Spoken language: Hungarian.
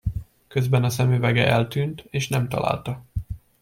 Közben a szemüvege eltűnt, és nem találta.